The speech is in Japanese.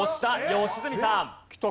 良純さん。